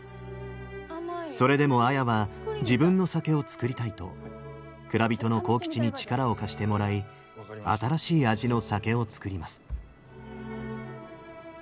それでも綾は自分の酒を造りたいと蔵人の幸吉に力を貸してもらい新しい味の酒を造ります。